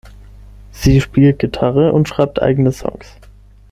Sie spielt Gitarre und schreibt eigene Songs.